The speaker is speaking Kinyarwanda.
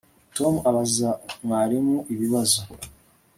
Tom abaza mwarimu ibibazo